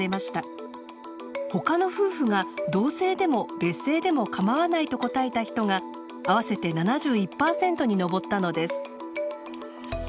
「他の夫婦が同姓でも別姓でもかまわない」と答えた人が合わせて７１％に上ったのです。